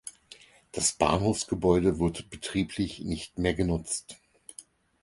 Das Bahnhofsgebäude wird betrieblich nicht mehr genutzt.